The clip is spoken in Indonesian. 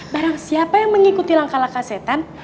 barang siapa yang mengikuti langkah langkah setan